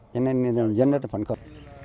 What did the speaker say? cho nên dân rất là phấn khởi